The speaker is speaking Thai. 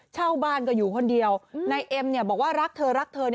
เช่าบ้านก็อยู่คนเดียวนายเอ็มบอกว่ารักเธอรักเธอ